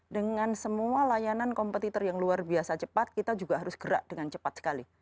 dengan semua layanan kompetitor yang luar biasa cepat kita juga harus gerak dengan cepat sekali